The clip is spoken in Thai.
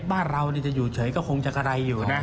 บ้านเราจะอยู่เฉยก็คงจะกระไรอยู่นะ